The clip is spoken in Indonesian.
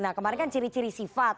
nah kemarin kan ciri ciri sifat